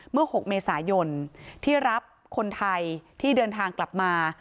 ๖เมษายนที่รับคนไทยที่เดินทางกลับมา